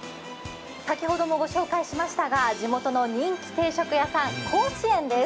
先ほどもご紹介しましたが地元の人気定食屋さん、甲子園です。